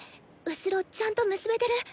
後ろちゃんと結べてる？